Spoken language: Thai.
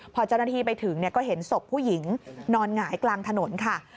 พอเจ้าหน้าที่ไปถึงก็เห็นศพผู้หญิงนอนหงายกลางถนนค่ะ